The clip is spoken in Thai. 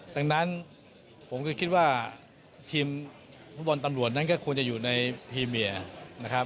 ตั้งนั้นผมคิดว่าทีมผู้บอลตำรวจนั้นก็ควรจะอยู่ในพรีเมียร์